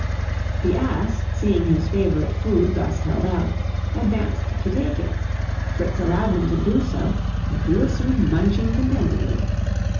The ass, seeing his favorite food thus held out, advanced to take it; Fritz allowed him to do so, and he was soon munching contentedly.